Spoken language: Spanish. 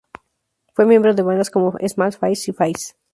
Fue miembro de bandas como Small Faces y Faces.